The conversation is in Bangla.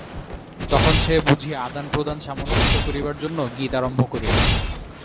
তখন সে বুঝি আদানপ্রদান-সামঞ্জস্য করিবার জন্য গীত আরম্ভ করিল।